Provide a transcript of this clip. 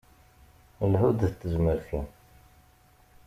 Lhu-d d tezmert-im.